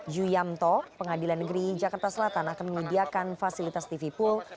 yu yamto pengadilan negeri jakarta selatan akan menyediakan fasilitas tv pool